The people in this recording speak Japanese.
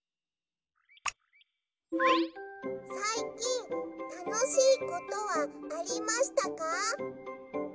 さいきんたのしいことはありましたか？